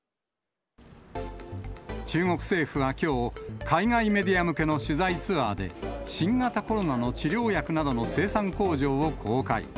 中国政府はきょう、海外メディア向けの取材ツアーで、新型コロナの治療薬などの生産工場を公開。